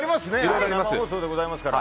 生放送でございますから。